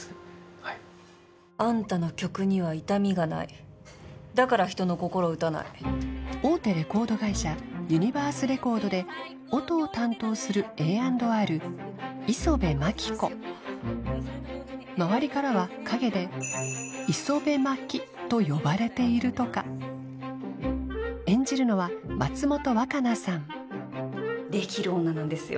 はいあんたの曲には痛みがないだから人の心を打たない大手レコード会社ユニバースレコードで音を担当するＡ＆Ｒ磯部真紀子周りからは陰で「イソベマキ」と呼ばれているとか演じるのは松本若菜さんできる女なんですよ